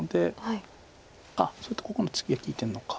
あっちょうどここのツギが利いてるのか。